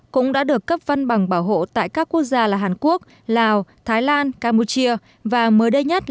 cũng đã được cấp văn bằng bảo hộ tại các quốc gia là hàn quốc lào thái lan campuchia và mới đây nhất là